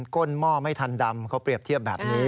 ก้นหม้อไม่ทันดำเขาเปรียบเทียบแบบนี้